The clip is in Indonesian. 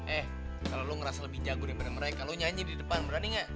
eh kalo lu ngerasa lebih jago daripada mereka lu nyanyi di depan berani gak